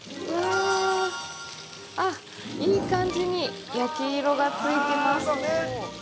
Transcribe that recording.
◆いい感じに焼き色がついてます。